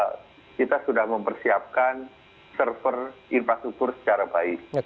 kita sudah mempersiapkan server infrastruktur secara baik